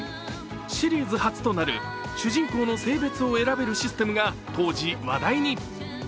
シリーズ初となる主人公の性別を選べるシステムが当時話題に。